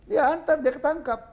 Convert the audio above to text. ya nanti dia ketangkap